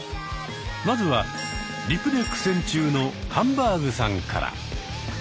まずはリプで苦戦中のハンバーグさんから。